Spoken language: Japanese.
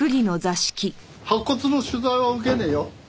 白骨の取材は受けねえよ。